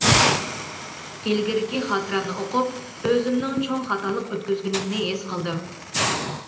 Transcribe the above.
ئىلگىرىكى خاتىرەمنى ئوقۇپ ئۆزۈمنىڭ چوڭ خاتالىق ئۆتكۈزگىنىمنى ھېس قىلدىم.